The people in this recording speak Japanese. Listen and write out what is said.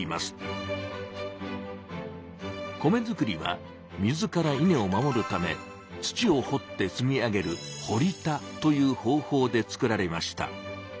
米作りは水からイネを守るため土を掘って積み上げる「堀田」という方法で作られました。